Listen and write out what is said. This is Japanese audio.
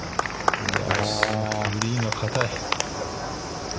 グリーンがかたい。